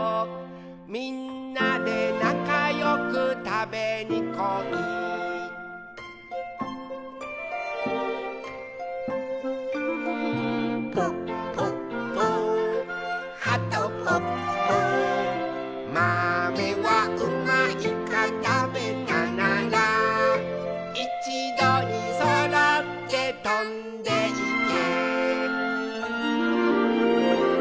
「みんなでなかよくたべにこい」「ぽっぽっぽはとぽっぽ」「まめはうまいかたべたなら」「いちどにそろってとんでいけ」